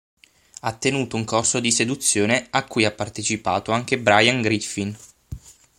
Ha tenuto un corso di seduzione a cui ha partecipato anche Brian Griffin.